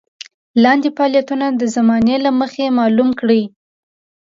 لاندې فعلونه د زمانې له مخې معلوم کړئ.